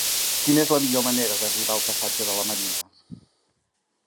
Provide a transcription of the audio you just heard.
Quina és la millor manera d'arribar al passatge de la Marina?